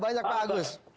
banyak pak agus